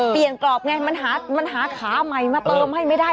กรอบไงมันหาขาใหม่มาเติมให้ไม่ได้